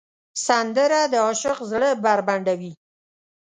سندره د عاشق زړه بربنډوي